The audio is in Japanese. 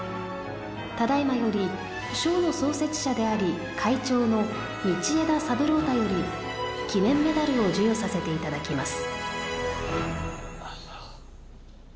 ただいまより賞の創設者であり会長の道枝三郎太より記念メダルを授与させていただきます。